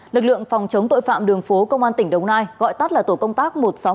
lực lượng phòng chống tội phạm đường phố công an tỉnh đồng nai gọi tắt là tổ công tác một trăm sáu mươi ba